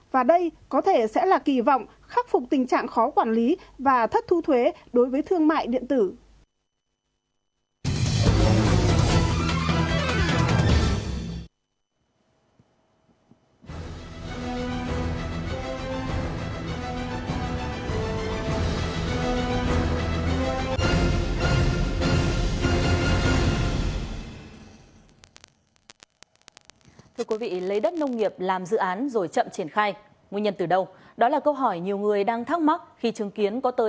và đây có thể sẽ là kỳ vọng khắc phục tình trạng khó quản lý và thất thu thuế đối với thương mại điện tử